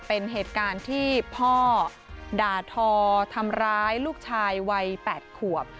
เป็นเหตุการณ์ที่พ่อด่าทอทำร้ายลูกชายวัย๘ขวบ